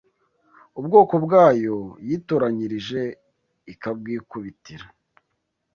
ubwoko bwayo yitoranyirije ikabwikubitira